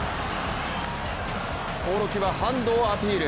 興梠はハンドをアピール。